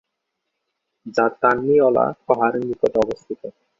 যা তান্নি-অলা পাহাড়ের নিকটে অবস্থিত।